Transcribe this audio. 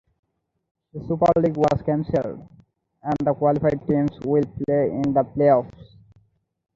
The Super League was canceled and the qualified teams will play in the Playoffs.